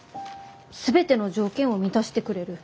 全ての条件を満たしてくれる。